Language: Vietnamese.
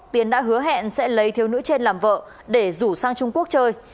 tiến đã hứa hẹn sẽ lấy thiếu nữ trên làm vợ để rủ sang trung quốc chơi